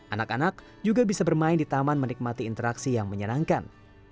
anak anak juga bisa bermain di taman menikmati interaksi yang menyenangkan